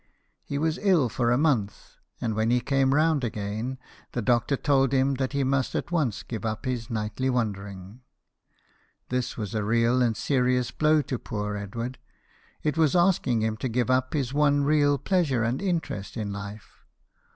He was ill for a month, and when he came round again the doctor told him that he must at once give up his nightly wandering. This was a real and serious blow to poor Edward ; it was asking him to give up his one real pleasure and interest in life.